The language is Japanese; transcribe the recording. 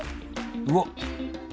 うわっ！